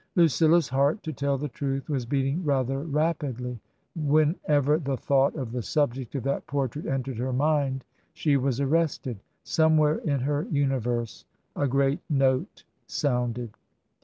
Lucilla's heart, to tell the truth, was beating rather rapidly. Whenever the thought of the subject of that portrait entered her mind she was arrested ; somewhere in her universe a great note sounded.